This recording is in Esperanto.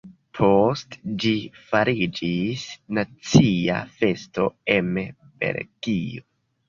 Poste ĝi fariĝis nacia festo em Belgio.